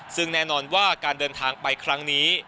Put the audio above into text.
ซึ่งแน่นอนว่าการเดินทางไปครั้งนี้